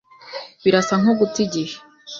Birasa nkuguta igihe.